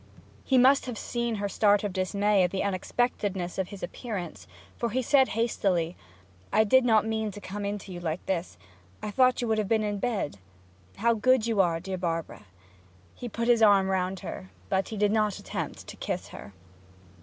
He must have seen her start of dismay at the unexpectedness of his appearance, for he said hastily: 'I did not mean to come in to you like this I thought you would have been in bed. How good you are, dear Barbara!' He put his arm round her, but he did not attempt to kiss her.